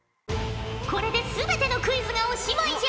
これで全てのクイズがおしまいじゃ。